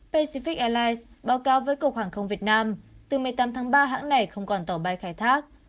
pacific airlines báo cáo với cục hàng không việt nam từ một mươi tám tháng ba hãng này không còn tàu bay khai thác